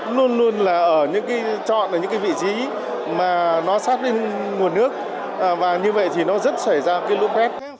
luôn luôn là ở những cái chọn ở những cái vị trí mà nó sát đến nguồn nước và như vậy thì nó rất xảy ra cái lũ quét